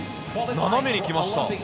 斜めに来ました。